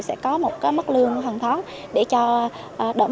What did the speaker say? sẽ có một mức lương hàng tháng để cho đỡ